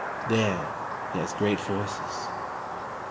There he has great forces."